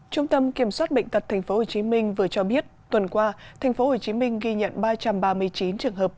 trung tâm kiểm soát bệnh tật tp hcm vừa cho biết tuần qua tp hcm ghi nhận ba trăm ba mươi chín trường hợp